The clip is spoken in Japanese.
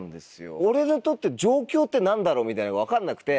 俺にとって上京って何だろうみたいで分かんなくて。